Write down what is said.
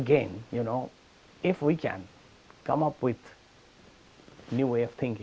jadi kita bisa mempunyai cara baru membuat lingkungan membuat polisi